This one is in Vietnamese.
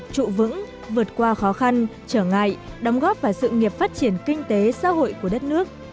trụ vững vượt qua khó khăn trở ngại đóng góp vào sự nghiệp phát triển kinh tế xã hội của đất nước